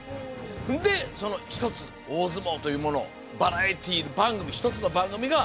でその一つ大相撲というものをバラエティー番組一つの番組が盛り上がる。